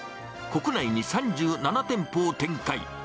国内に３７店舗を展開。